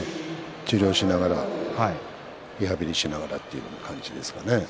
治療しながらリハビリをしながらという感じですかね。